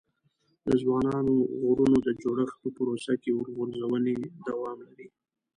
د ځوانو غرونو د جوړښت په پروسه کې اور غورځونې دوام لري.